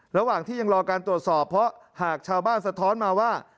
ระหว่างที่ยังรอการตรวจสอบเพราะหากชาวบ้านสะท้อนมาว่า